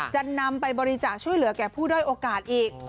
จะนำไปบริจาคช่วยเหลือแก่ผู้ด้อยโอกาสอีก